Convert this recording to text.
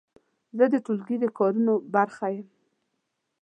زه د ټولګي د کارونو برخه یم.